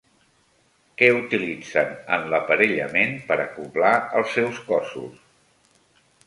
Què utilitzen en l'aparellament per acoblar els seus cossos?